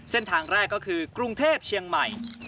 เส้นทางแรกก็คือกรุงเทพเชียงใหม่